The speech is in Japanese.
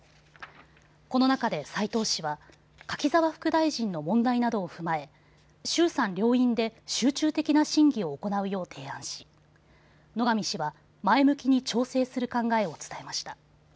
この中で斎藤氏は柿沢副大臣の問題などを踏まえ衆参両院で集中的な審議を行うよう提案し野上氏は前向きに調整する考えを伝えました。